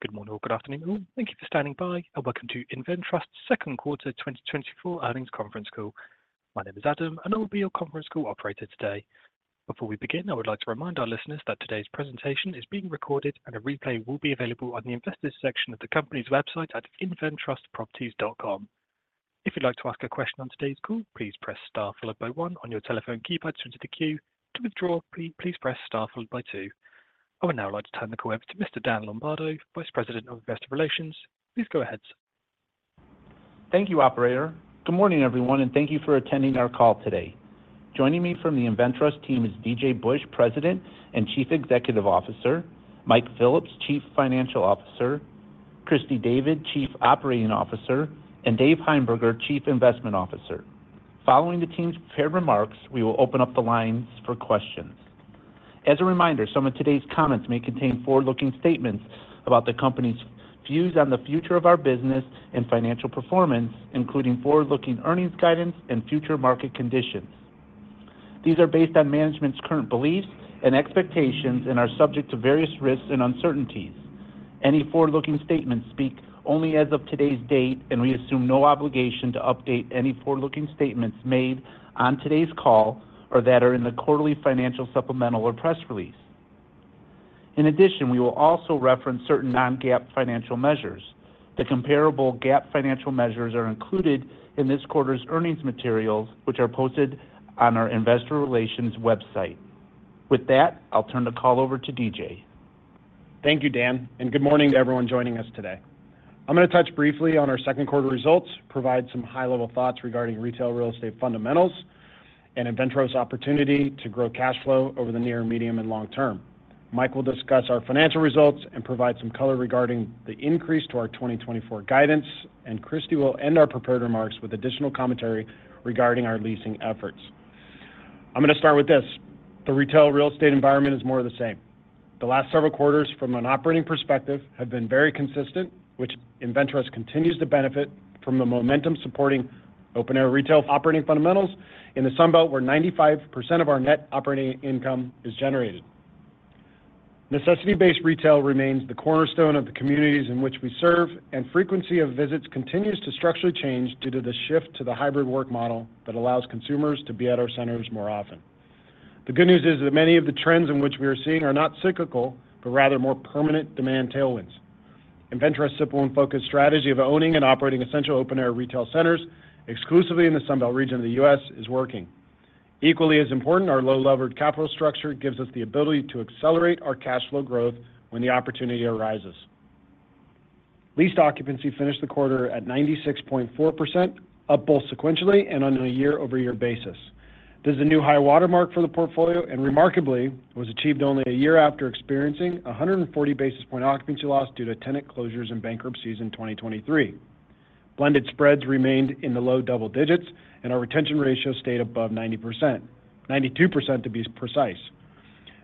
Good morning or good afternoon, all. Thank you for standing by, and welcome to InventTrust's Q2 2024 Earnings Conference Call. My name is Adam, and I will be your conference call operator today. Before we begin, I would like to remind our listeners that today's presentation is being recorded, and a replay will be available on the Investors section of the company's website at inventrustproperties.com. If you'd like to ask a question on today's call, please press star followed by one on your telephone keypad to enter the queue. To withdraw, please press star followed by two. I would now like to turn the call over to Mr. Dan Lombardo, Vice President of Investor Relations. Please go ahead. Thank you, Operator. Good morning, everyone, and thank you for attending our call today. Joining me from the InventTrust team is DJ Busch, President and Chief Executive Officer, Mike Phillips, Chief Financial Officer, Christy David, Chief Operating Officer, and Dave Heimberger, Chief Investment Officer. Following the team's prepared remarks, we will open up the lines for questions. As a reminder, some of today's comments may contain forward-looking statements about the company's views on the future of our business and financial performance, including forward-looking earnings guidance and future market conditions. These are based on management's current beliefs and expectations and are subject to various risks and uncertainties. Any forward-looking statements speak only as of today's date, and we assume no obligation to update any forward-looking statements made on today's call or that are in the quarterly financial supplemental or press release. In addition, we will also reference certain non-GAAP financial measures. The comparable GAAP financial measures are included in this quarter's earnings materials, which are posted on our Investor Relations website. With that, I'll turn the call over to DJ. Thank you, Dan, and good morning to everyone joining us today. I'm going to touch briefly on our Q2 results, provide some high-level thoughts regarding retail real estate fundamentals and InventTrust's opportunity to grow cash flow over the near, medium, and long term. Mike will discuss our financial results and provide some color regarding the increase to our 2024 guidance, and Christy will end our prepared remarks with additional commentary regarding our leasing efforts. I'm going to start with this: the retail real estate environment is more of the same. The last several quarters, from an operating perspective, have been very consistent, which InventTrust continues to benefit from the momentum supporting open-air retail operating fundamentals in the Sunbelt where 95% of our net operating income is generated. Necessity-based retail remains the cornerstone of the communities in which we serve, and frequency of visits continues to structurally change due to the shift to the hybrid work model that allows consumers to be at our centers more often. The good news is that many of the trends in which we are seeing are not cyclical but rather more permanent demand tailwinds. InvenTrust's Zipline-focused strategy of owning and operating essential open-air retail centers exclusively in the Sunbelt region of the U.S. is working. Equally as important, our low-levered capital structure gives us the ability to accelerate our cash flow growth when the opportunity arises. Leased occupancy finished the quarter at 96.4%, up both sequentially and on a year-over-year basis. This is a new high watermark for the portfolio, and remarkably, it was achieved only a year after experiencing a 140 basis point occupancy loss due to tenant closures and bankruptcies in 2023. Blended spreads remained in the low double digits, and our retention ratio stayed above 90%, 92% to be precise.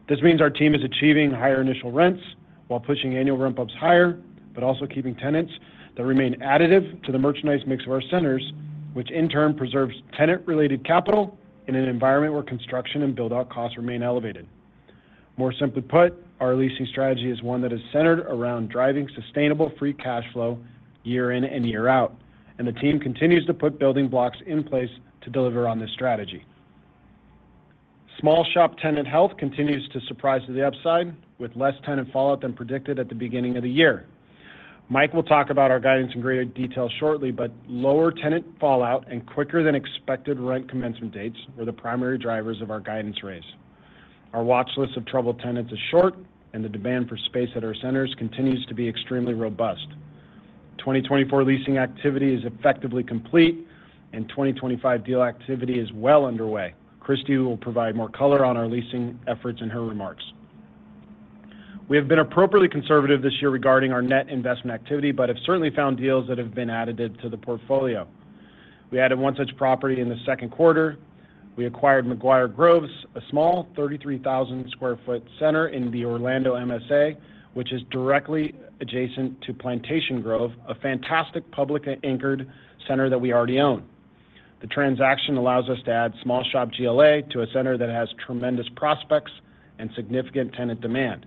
This means our team is achieving higher initial rents while pushing annual ramp-ups higher but also keeping tenants that remain additive to the merchandise mix of our centers, which in turn preserves tenant-related capital in an environment where construction and build-out costs remain elevated. More simply put, our leasing strategy is one that is centered around driving sustainable free cash flow year in and year out, and the team continues to put building blocks in place to deliver on this strategy. Small shop tenant health continues to surprise to the upside, with less tenant fallout than predicted at the beginning of the year. Mike will talk about our guidance in greater detail shortly, but lower tenant fallout and quicker-than-expected rent commencement dates were the primary drivers of our guidance raise. Our watchlist of troubled tenants is short, and the demand for space at our centers continues to be extremely robust. 2024 leasing activity is effectively complete, and 2025 deal activity is well underway. Christy will provide more color on our leasing efforts in her remarks. We have been appropriately conservative this year regarding our net investment activity but have certainly found deals that have been additive to the portfolio. We added one such property in the Q2. We acquired McGuire Groves, a small 33,000 sq ft center in the Orlando MSA, which is directly adjacent to Plantation Grove, a fantastic publicly anchored center that we already own. The transaction allows us to add small shop GLA to a center that has tremendous prospects and significant tenant demand.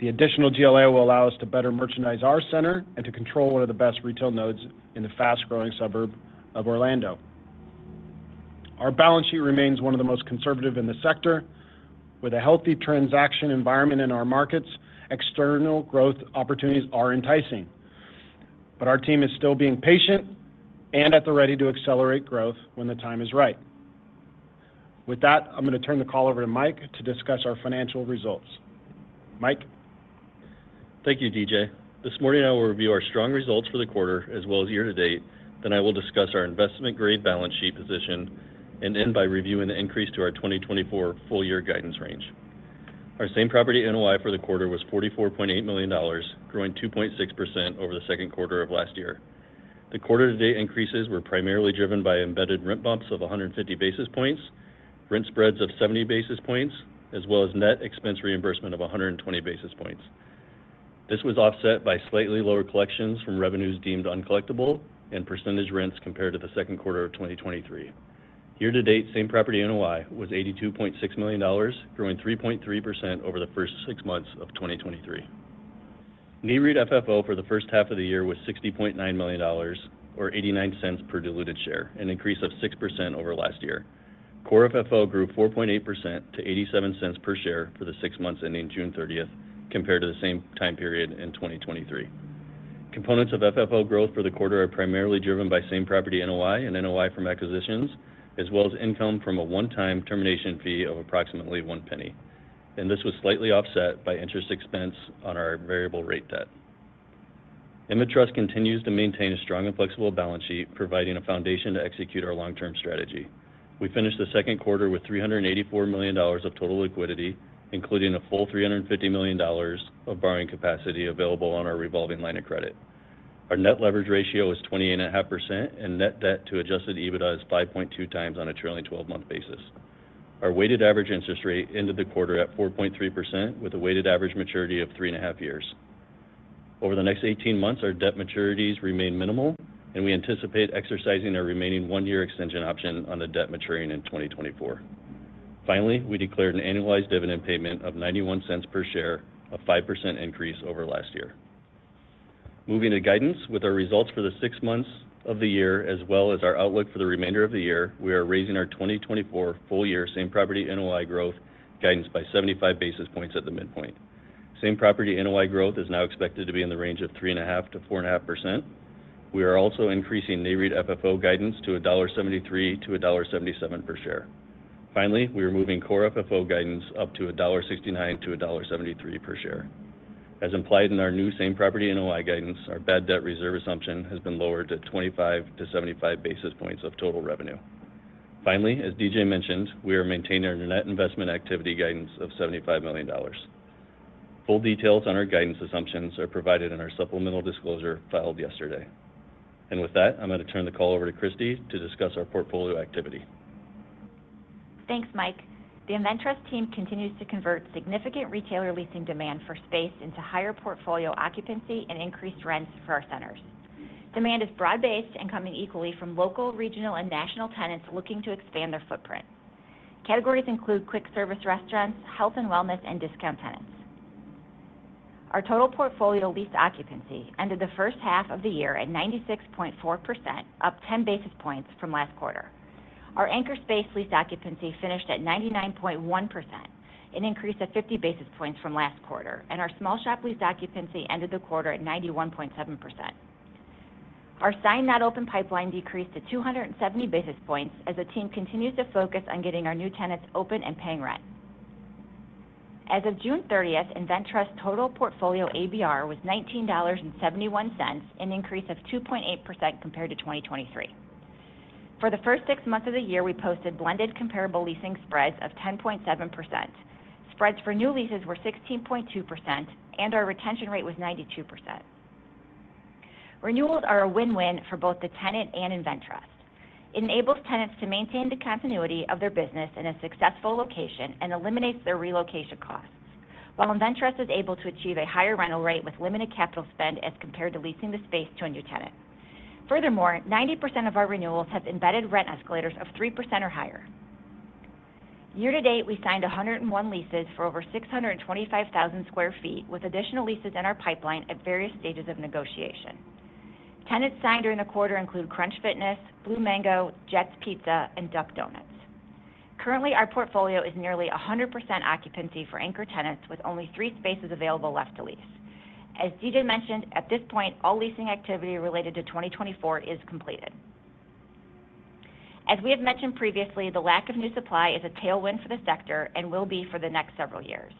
The additional GLA will allow us to better merchandise our center and to control one of the best retail nodes in the fast-growing suburb of Orlando. Our balance sheet remains one of the most conservative in the sector. With a healthy transaction environment in our markets, external growth opportunities are enticing, but our team is still being patient and at the ready to accelerate growth when the time is right. With that, I'm going to turn the call over to Mike to discuss our financial results. Mike. Thank you, DJ. This morning, I will review our strong results for the quarter as well as year-to-date. Then I will discuss our investment-grade balance sheet position and end by reviewing the increase to our 2024 full-year guidance range. Our same property NOI for the quarter was $44.8 million, growing 2.6% over the Q2 of last year. The quarter-to-date increases were primarily driven by embedded rent bumps of 150 basis points, rent spreads of 70 basis points, as well as net expense reimbursement of 120 basis points. This was offset by slightly lower collections from revenues deemed uncollectible and percentage rents compared to the Q2 of 2023. Year-to-date, same property NOI was $82.6 million, growing 3.3% over the first six months of 2023. Core FFO for the first half of the year was $60.9 million, or $0.89 per diluted share, an increase of 6% over last year. Core FFO grew 4.8% to $0.87 per share for the six months ending June 30th compared to the same time period in 2023. Components of FFO growth for the quarter are primarily driven by same property NOI and NOI from acquisitions, as well as income from a one-time termination fee of approximately $0.01. This was slightly offset by interest expense on our variable-rate debt. InventTrust continues to maintain a strong and flexible balance sheet, providing a foundation to execute our long-term strategy. We finished the Q2 with $384 million of total liquidity, including a full $350 million of borrowing capacity available on our revolving line of credit. Our net leverage ratio is 28.5%, and net debt to adjusted EBITDA is 5.2 times on a trailing 12-month basis. Our weighted average interest rate ended the quarter at 4.3%, with a weighted average maturity of 3.5 years. Over the next 18 months, our debt maturities remain minimal, and we anticipate exercising our remaining 1-year extension option on the debt maturing in 2024. Finally, we declared an annualized dividend payment of $0.91 per share, a 5% increase over last year. Moving to guidance, with our results for the six months of the year, as well as our outlook for the remainder of the year, we are raising our 2024 full-year same property NOI growth guidance by 75 basis points at the midpoint. Same property NOI growth is now expected to be in the range of 3.5%-4.5%. We are also increasing Nareit FFO guidance to $1.73-$1.77 per share. Finally, we are moving core FFO guidance up to $1.69-$1.73 per share. As implied in our new same property NOI guidance, our bad debt reserve assumption has been lowered to 25-75 basis points of total revenue. Finally, as DJ mentioned, we are maintaining our net investment activity guidance of $75 million. Full details on our guidance assumptions are provided in our supplemental disclosure filed yesterday. With that, I'm going to turn the call over to Christy to discuss our portfolio activity. Thanks, Mike. The InventTrust team continues to convert significant retailer leasing demand for space into higher portfolio occupancy and increased rents for our centers. Demand is broad-based and coming equally from local, regional, and national tenants looking to expand their footprint. Categories include quick-service restaurants, health and wellness, and discount tenants. Our total portfolio leased occupancy ended the first half of the year at 96.4%, up 10 basis points from last quarter. Our anchor space leased occupancy finished at 99.1%, an increase of 50 basis points from last quarter, and our small shop leased occupancy ended the quarter at 91.7%. Our signed not open pipeline decreased to 270 basis points as the team continues to focus on getting our new tenants open and paying rent. As of June 30th, InventTrust's total portfolio ABR was $19.71, an increase of 2.8% compared to 2023. For the first six months of the year, we posted blended comparable leasing spreads of 10.7%. Spreads for new leases were 16.2%, and our retention rate was 92%. Renewals are a win-win for both the tenant and InventTrust. It enables tenants to maintain the continuity of their business in a successful location and eliminates their relocation costs, while InventTrust is able to achieve a higher rental rate with limited capital spend as compared to leasing the space to a new tenant. Furthermore, 90% of our renewals have embedded rent escalators of 3% or higher. Year-to-date, we signed 101 leases for over 625,000 sq ft, with additional leases in our pipeline at various stages of negotiation. Tenants signed during the quarter include Crunch Fitness, Blue Mango, Jet's Pizza, and Duck Donuts. Currently, our portfolio is nearly 100% occupancy for anchor tenants, with only three spaces available left to lease. As DJ mentioned, at this point, all leasing activity related to 2024 is completed. As we have mentioned previously, the lack of new supply is a tailwind for the sector and will be for the next several years.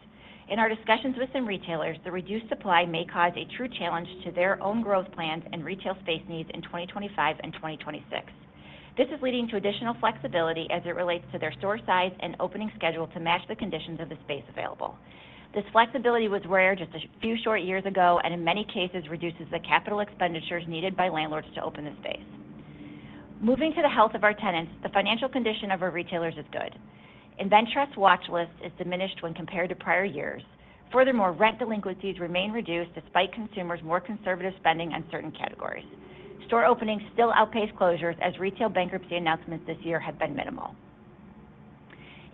In our discussions with some retailers, the reduced supply may cause a true challenge to their own growth plans and retail space needs in 2025 and 2026. This is leading to additional flexibility as it relates to their store size and opening schedule to match the conditions of the space available. This flexibility was rare just a few short years ago and, in many cases, reduces the capital expenditures needed by landlords to open the space. Moving to the health of our tenants, the financial condition of our retailers is good. InventTrust's watchlist is diminished when compared to prior years. Furthermore, rent delinquencies remain reduced despite consumers' more conservative spending on certain categories. Store openings still outpace closures as retail bankruptcy announcements this year have been minimal.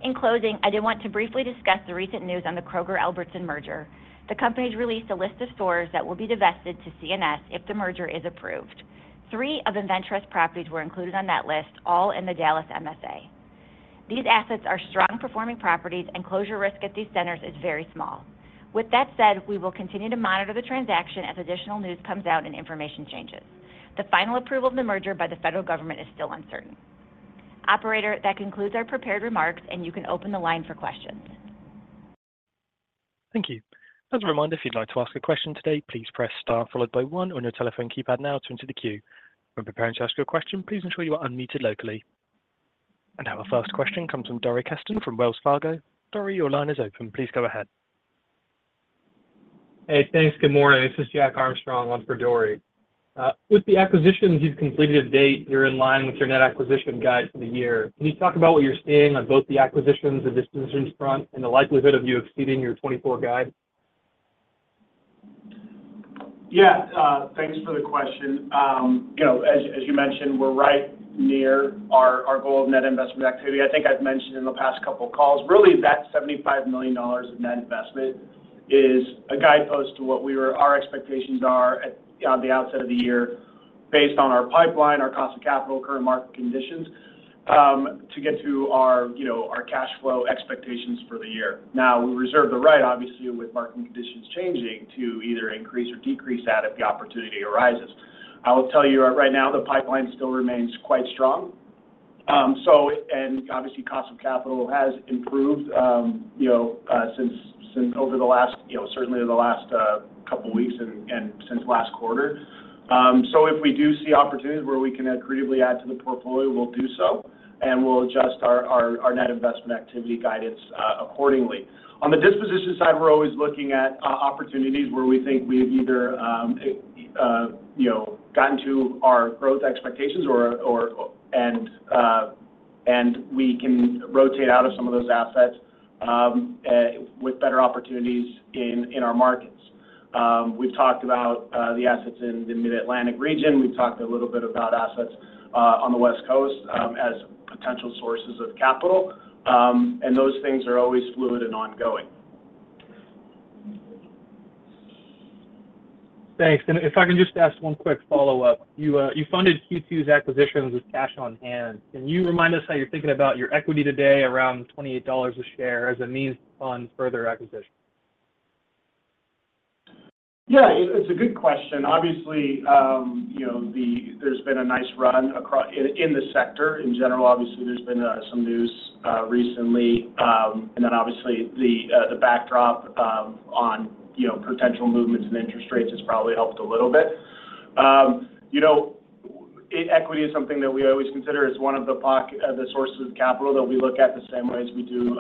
In closing, I did want to briefly discuss the recent news on the Kroger-Albertsons merger. The company has released a list of stores that will be divested to C&S if the merger is approved. Three of InvenTrust's properties were included on that list, all in the Dallas MSA. These assets are strong-performing properties, and closure risk at these centers is very small. With that said, we will continue to monitor the transaction as additional news comes out and information changes. The final approval of the merger by the federal government is still uncertain. Operator, that concludes our prepared remarks, and you can open the line for questions. Thank you. As a reminder, if you'd like to ask a question today, please press star followed by one on your telephone keypad now to enter the queue. When preparing to ask your question, please ensure you are unmuted locally. Our first question comes from Dori Kesten from Wells Fargo. Dorry, your line is open. Please go ahead. Hey, thanks. Good morning. This is Jack Armstrong on for Dorry. With the acquisitions you've completed to date, you're in line with your net acquisition guide for the year. Can you talk about what you're seeing on both the acquisitions and dispositions front and the likelihood of you exceeding your 2024 guide? Yeah. Thanks for the question. As you mentioned, we're right near our goal of net investment activity. I think I've mentioned in the past couple of calls, really, that $75 million of net investment is a guidepost to what our expectations are at the outset of the year based on our pipeline, our cost of capital, current market conditions, to get to our cash flow expectations for the year. Now, we reserve the right, obviously, with market conditions changing to either increase or decrease that if the opportunity arises. I will tell you right now, the pipeline still remains quite strong. And obviously, cost of capital has improved since over the last, certainly the last couple of weeks and since last quarter. So if we do see opportunities where we can accretively add to the portfolio, we'll do so, and we'll adjust our net investment activity guidance accordingly. On the disposition side, we're always looking at opportunities where we think we've either gotten to our growth expectations and we can rotate out of some of those assets with better opportunities in our markets. We've talked about the assets in the Mid-Atlantic region. We've talked a little bit about assets on the West Coast as potential sources of capital. Those things are always fluid and ongoing. Thanks. If I can just ask one quick follow-up. You funded Q2's acquisitions with cash on hand. Can you remind us how you're thinking about your equity today around $28 a share as a means to fund further acquisitions? Yeah. It's a good question. Obviously, there's been a nice run in the sector. In general, obviously, there's been some news recently. And then, obviously, the backdrop on potential movements in interest rates has probably helped a little bit. Equity is something that we always consider as one of the sources of capital that we look at the same way as we do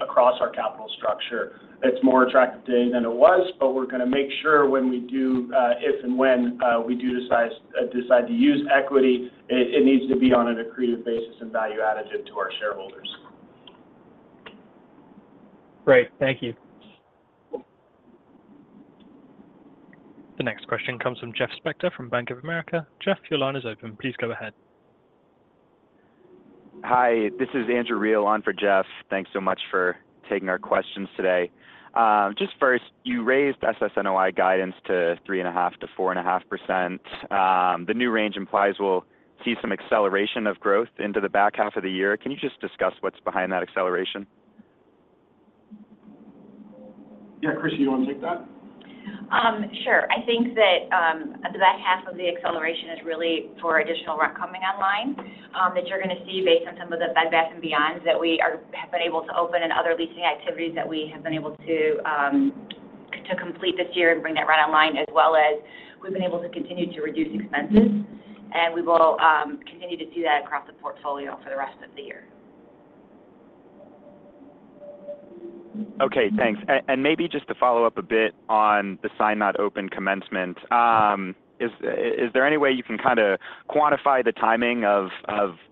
across our capital structure. It's more attractive today than it was, but we're going to make sure when we do, if and when we do decide to use equity, it needs to be on an accretive basis and value additive to our shareholders. Great. Thank you. The next question comes from Jeff Spector from Bank of America. Jeff, your line is open. Please go ahead. Hi. This is Andrew Real, on for Jeff. Thanks so much for taking our questions today. Just first, you raised SSNOI guidance to 3.5%-4.5%. The new range implies we'll see some acceleration of growth into the back half of the year. Can you just discuss what's behind that acceleration? Yeah. Christy, you want to take that? Sure. I think that the back half of the acceleration is really for additional rent coming online that you're going to see based on some of the Bed Bath & Beyonds that we have been able to open and other leasing activities that we have been able to complete this year and bring that rent online, as well as we've been able to continue to reduce expenses. We will continue to see that across the portfolio for the rest of the year. Okay. Thanks. And maybe just to follow up a bit on the signed not open commencement, is there any way you can kind of quantify the timing of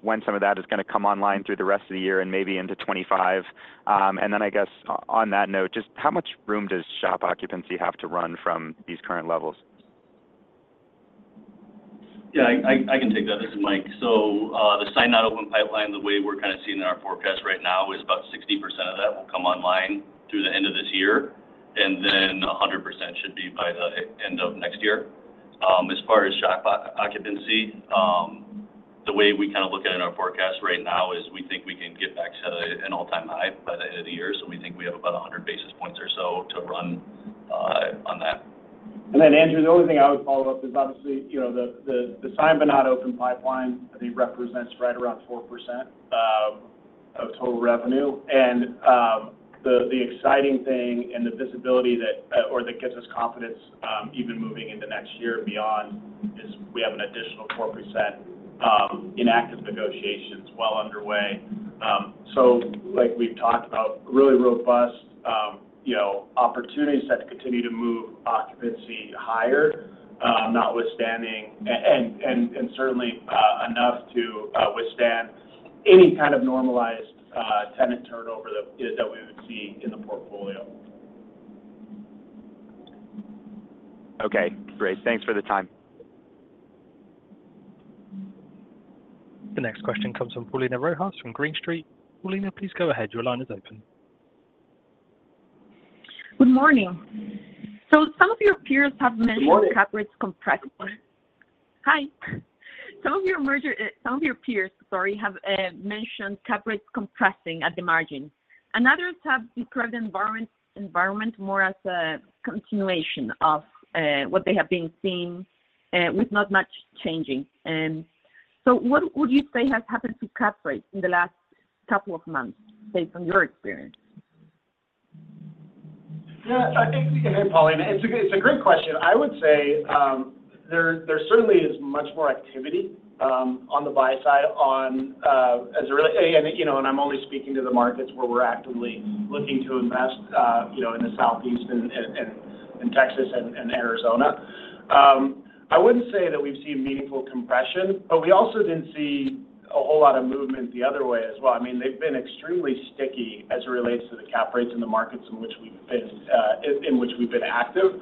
when some of that is going to come online through the rest of the year and maybe into 2025? And then, I guess, on that note, just how much room does shop occupancy have to run from these current levels? Yeah. I can take that. This is Mike. So the signed not open pipeline, the way we're kind of seeing in our forecast right now, is about 60% of that will come online through the end of this year, and then 100% should be by the end of next year. As far as shop occupancy, the way we kind of look at it in our forecast right now is we think we can get back to an all-time high by the end of the year. So we think we have about 100 basis points or so to run on that. And then, Andrew, the only thing I would follow up is, obviously, the signed but not open pipeline, I think, represents right around 4% of total revenue. The exciting thing and the visibility that gives us confidence, even moving into next year and beyond, is we have an additional 4% in active negotiations, well underway. Like we've talked about, really robust opportunities that continue to move occupancy higher, notwithstanding, and certainly enough to withstand any kind of normalized tenant turnover that we would see in the portfolio. Okay. Great. Thanks for the time. The next question comes from Paulina Rojas from Green Street. Paulina, please go ahead. Your line is open. Good morning. Some of your peers have mentioned cap rates compressing at the margin. And others have described the environment more as a continuation of what they have been seeing with not much changing. So what would you say has happened to cap rates in the last couple of months, based on your experience? Yeah. I think we can hear Paulina. It's a great question. I would say there certainly is much more activity on the buy side as well, really, and I'm only speaking to the markets where we're actively looking to invest in the Southeast and Texas and Arizona. I wouldn't say that we've seen meaningful compression, but we also didn't see a whole lot of movement the other way as well. I mean, they've been extremely sticky as it relates to the cap rates and the markets in which we've been active.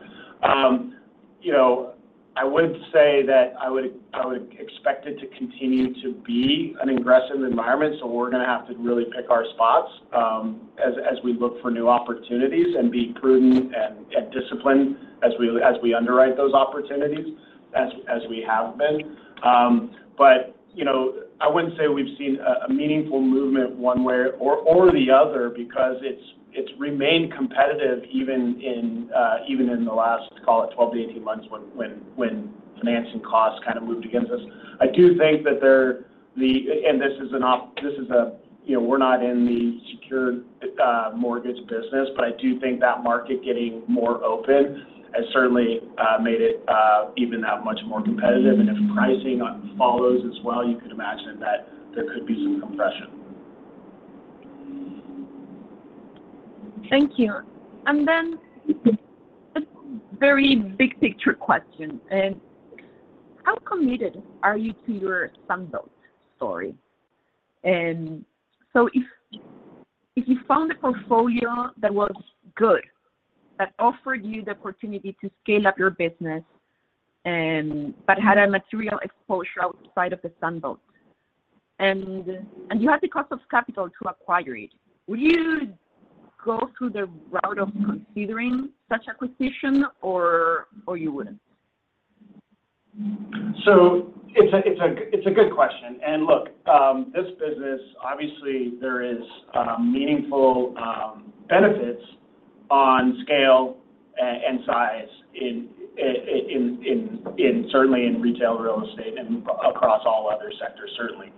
I would say that I would expect it to continue to be an aggressive environment. So we're going to have to really pick our spots as we look for new opportunities and be prudent and disciplined as we underwrite those opportunities as we have been. But I wouldn't say we've seen a meaningful movement one way or the other because it's remained competitive even in the last, call it, 12-18 months when financing costs kind of moved against us. I do think that they're the, and this is a, we're not in the secure mortgage business, but I do think that market getting more open has certainly made it even that much more competitive. And if pricing follows as well, you could imagine that there could be some compression. Thank you. Then a very big picture question. How committed are you to your Sunbelt story? So if you found a portfolio that was good, that offered you the opportunity to scale up your business but had a material exposure outside of the Sunbelt, and you had the cost of capital to acquire it, would you go through the route of considering such acquisition or you wouldn't? So it's a good question. Look, this business, obviously, there is meaningful benefits on scale and size, certainly in retail real estate and across all other sectors, certainly.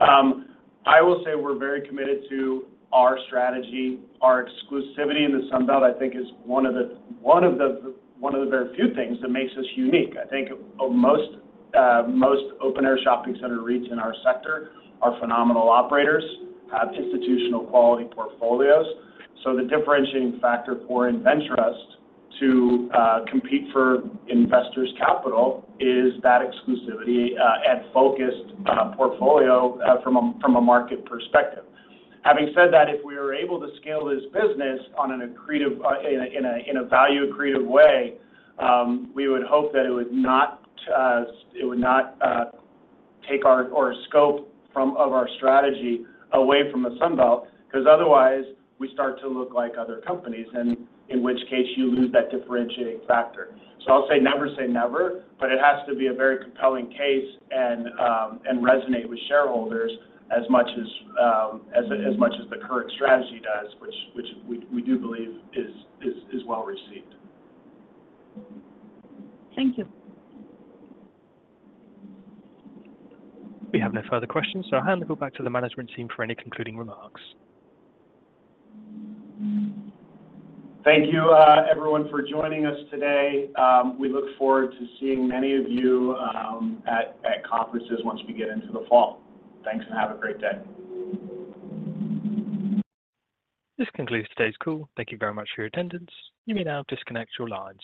I will say we're very committed to our strategy. Our exclusivity in the Sunbelt, I think, is one of the very few things that makes us unique. I think most open-air shopping center REITs in our sector are phenomenal operators, have institutional quality portfolios. So the differentiating factor for InventTrust to compete for investors' capital is that exclusivity and focused portfolio from a market perspective. Having said that, if we were able to scale this business in a value-accretive way, we would hope that it would not take our scope of our strategy away from the Sunbelt because otherwise, we start to look like other companies, in which case you lose that differentiating factor. I'll say never say never, but it has to be a very compelling case and resonate with shareholders as much as the current strategy does, which we do believe is well received. Thank you. We have no further questions. So I'll hand the call back to the management team for any concluding remarks. Thank you, everyone, for joining us today. We look forward to seeing many of you at conferences once we get into the fall. Thanks, and have a great day. This concludes today's call. Thank you very much for your attendance. You may now disconnect your lines.